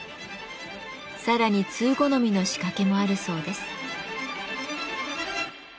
さらに通好みの仕掛けもあるそうです。